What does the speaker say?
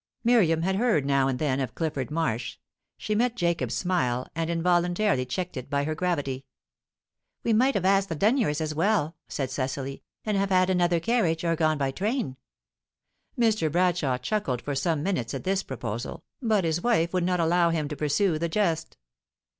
Miriam had heard now and then of Clifford Marsh. She met Jacob's smile, and involuntarily checked it by her gravity. "We might have asked the Denyers as well," said Cecily, "and have had another carriage, or gone by train." Mr. Bradshaw chuckled for some minutes at this proposal, but his wife would not allow him to pursue the jest.